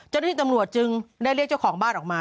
ห้องห่วงอำนวจจึงได้เรียกเจ้าของบ้านออกมา